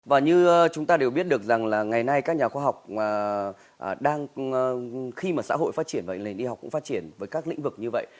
và như chúng ta đều biết được rằng là ngày nay các nhà khoa học đang khi mà xã hội phát triển và nền y học cũng phát triển với các lĩnh vực như vậy